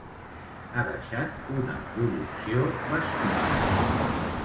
Ha deixat una producció vastíssima.